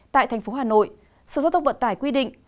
tại thành phố hà nội sở giao thông vận tải quy định